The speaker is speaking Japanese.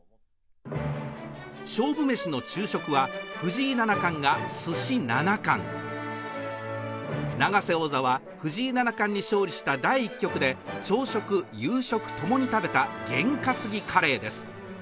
勝負メシの昼食は藤井七冠がすし７貫、永瀬王座は藤井七冠に勝利した第１局で朝食、夕食ともに食べたゲン担ぎカレーです。